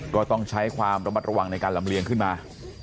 ก็ต้องใช้ความระมัดระวังในการลำเลียงขึ้นมา